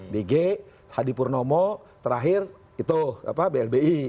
bg hadi purnomo terakhir itu blbi